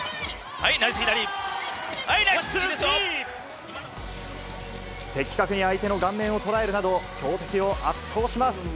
はい、的確に相手の顔面を捉えるなど、強敵を圧倒します。